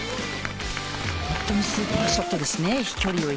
本当にスーパーショットですね。